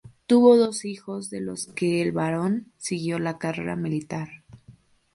Tuvo dos hijos, de los que el varón siguió la carrera militar.